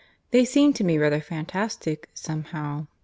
"They seem to me rather fantastic, somehow."